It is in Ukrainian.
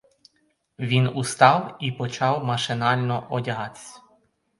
Він устав і почав машинально одягатись.